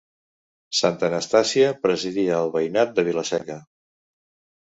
Santa Anastàsia presidia el veïnat de Vila-seca.